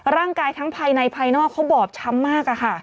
ทั้งภายในภายนอกเขาบอบช้ำมาก